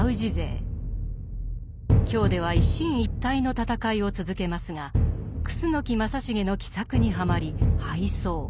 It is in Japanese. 京では一進一退の戦いを続けますが楠木正成の奇策にはまり敗走。